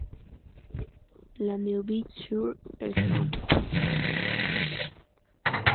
La Neuville-sur-Essonne